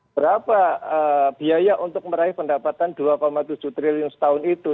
berapa biaya untuk meraih pendapatan dua tujuh triliun setahun itu